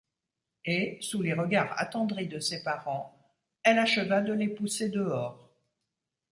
Et, sous les regards attendris de ses parents, elle acheva de les pousser dehors.